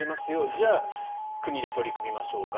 じゃあ、国で取り組みましょうか。